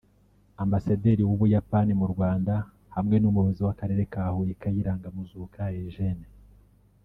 Ambasaderi w'u Buyapani mu Rwanda hamwe n'Umuyobozi w'akarere ka Huye Kayiranga Muzuka Eugene